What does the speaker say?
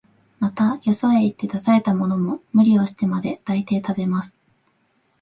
また、よそへ行って出されたものも、無理をしてまで、大抵食べます